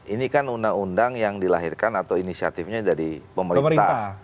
ini kan undang undang yang dilahirkan atau inisiatifnya dari pemerintah